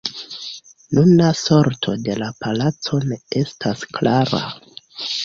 Nuna sorto de la palaco ne estas klara.